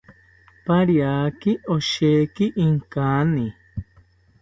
Pariaki osheki inkani